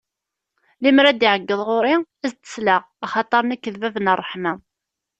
Lemmer ad d-iɛeggeḍ ɣur-i, ad s-d-sleɣ, axaṭer nekk d bab n ṛṛeḥma.